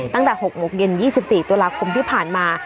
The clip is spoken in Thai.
ตั้งแต่๖โมงเย็น๒๔ตุลาคมที่ผ่านมา